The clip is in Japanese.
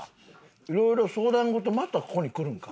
いろいろ相談事またここに来るんか？